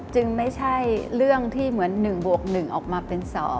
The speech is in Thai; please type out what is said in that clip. ไม่ใช่เรื่องที่เหมือน๑บวก๑ออกมาเป็น๒